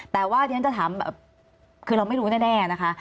แต่ว่าที่ฉันจะถามแบบคือเราไม่รู้แน่นะคะ